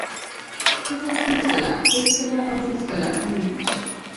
ته باید هېڅکله، هېڅکله او هېڅکله نا امید نشې.